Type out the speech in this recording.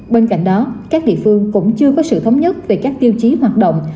bên cạnh đó các địa phương cũng chưa có sự thống nhất về các tiêu chí hoạt động